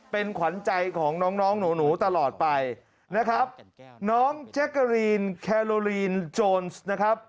เป็นขวัญใจของน้องน้องหนูตลอดไปนะครับน้องแจ๊กกะรีนแคโลลีนโจรสนะครับ